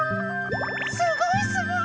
すごいすごい！